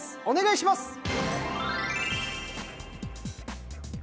お願いします！